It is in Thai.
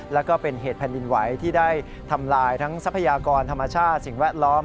แล้วก็เป็นเหตุแผ่นดินไหวที่ได้ทำลายทั้งทรัพยากรธรรมชาติสิ่งแวดล้อม